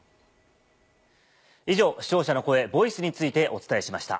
以上視聴者の声ＶＯＩＣＥについてお伝えしました。